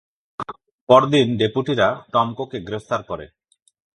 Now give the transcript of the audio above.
পরদিন ডেপুটিরা টমকোকে গ্রেফতার করে।